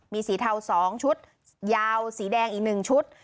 มีสีเทา๒ชุดยาวสีแดงอีก๑ชุด